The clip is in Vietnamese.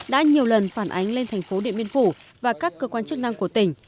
đã nhiều lần phản ánh lên thành phố điện biên phủ và các cơ quan chức năng của tỉnh